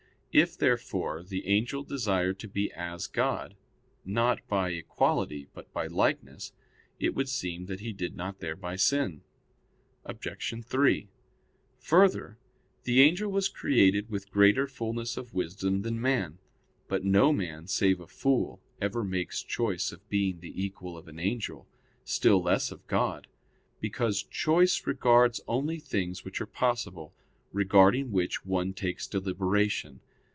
If, therefore, the angel desired to be as God, not by equality, but by likeness, it would seem that he did not thereby sin. Obj. 3: Further, the angel was created with greater fulness of wisdom than man. But no man, save a fool, ever makes choice of being the equal of an angel, still less of God; because choice regards only things which are possible, regarding which one takes deliberation.